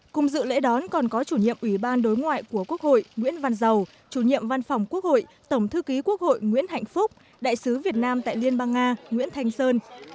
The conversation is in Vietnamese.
cùng dự lễ đón còn có chủ nhiệm ủy ban đối ngoại của quốc hội nguyễn văn giàu chủ nhiệm văn phòng quốc hội tổng thư ký quốc hội nguyễn hạnh phúc đại sứ việt nam tại liên bang nga nguyễn thanh sơn